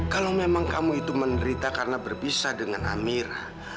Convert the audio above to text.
kalau memang kamu itu menderita karena berpisah dengan amir